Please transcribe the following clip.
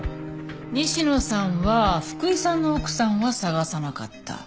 西野さんは福井さんの奥さんは捜さなかった。